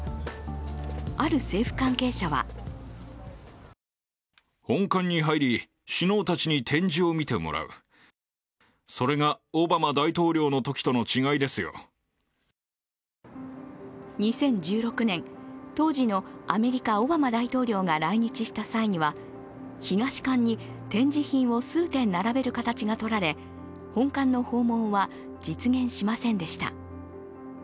ある政府関係者は２０１６年、当時のアメリカ・オバマ大統領が来日した際には東館に展示品を数点並べる形が取られ、本館の訪問は実現しませんでした。